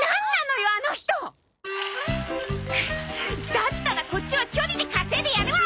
だったらこっちは距離で稼いでやるわ！